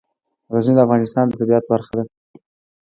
غزني د افغانستان د طبیعت برخه ده.